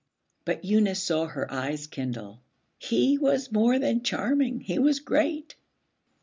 But Eunice saw her eyes kindle. 'He was more than charming. He was great.'